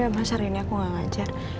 ya mas hari ini aku gak ngajar